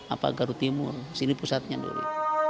apa garut timur sini pusatnya dulu